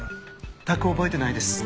全く覚えてないです。